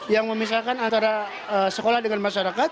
yang memisahkan antara sekolah dengan masyarakat